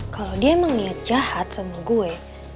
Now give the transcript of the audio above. kalau dia emang niat jahat sama gue